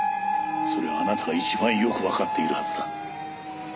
それはあなたが一番よくわかっているはずだ。